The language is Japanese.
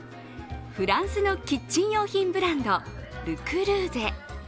フランスのキッチン用品ブランド、ル・クルーゼ。